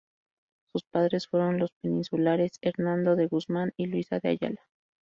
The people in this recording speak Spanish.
Sus padres fueron los peninsulares Hernando de Guzmán y Luisa de Ayala.